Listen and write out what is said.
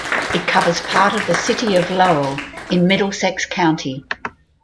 It covers part of the city of Lowell in Middlesex County.